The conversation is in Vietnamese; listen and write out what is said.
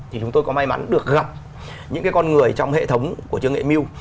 thì chúng tôi có may mắn được gặp những con người trong hệ thống của trương nghệ mew